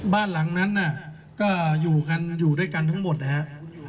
บ้านหลังนั้นน่ะก็อยู่กันอยู่ด้วยกันทั้งหมดนะครับ